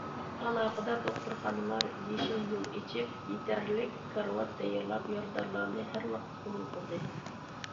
ئالاقىدار دوختۇرخانىلار يېشىل يول ئېچىپ، يېتەرلىك كارىۋات تەييارلاپ، يارىدارلارنى ھەر ۋاقىت قوبۇل قىلدى.